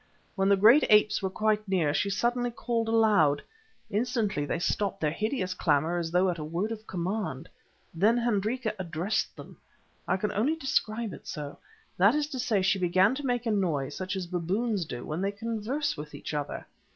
When the great apes were quite near, she suddenly called aloud. Instantly they stopped their hideous clamour as though at a word of command. Then Hendrika addressed them: I can only describe it so. That is to say, she began to make a noise such as baboons do when they converse with each other.